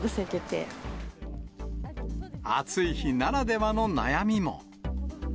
暑い日ならではの悩みも。